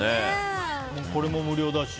これも無料だし。